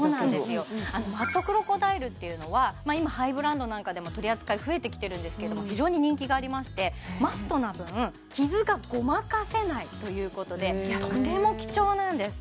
あのマットクロコダイルっていうのは今ハイブランドなんかでも取り扱い増えてきてるんですけども非常に人気がありましてマットな分傷がごまかせないということでとても貴重なんです